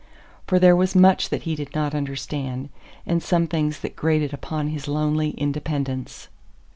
For there was much that he did not understand, and some things that grated upon his lonely independence.